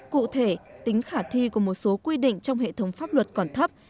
cụ thể tính khả thi của một số quy định trong hệ thống pháp luật còn thấp